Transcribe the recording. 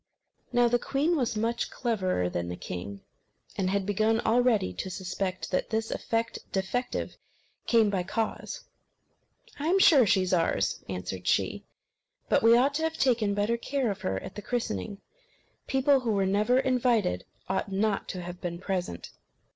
Now the queen was much cleverer than the king, and had begun already to suspect that "this effect defective came by cause." "I am sure she is ours," answered she. "But we ought to have taken better care of her at the christening. People who were never invited ought not to have been present."